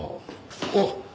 あっ！